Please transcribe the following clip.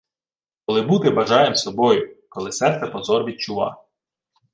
Коли бути бажаєм собою, Коли серце позор відчува!